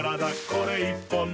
これ１本で」